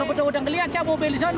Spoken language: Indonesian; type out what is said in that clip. udah ngeliat siapa mobil di sana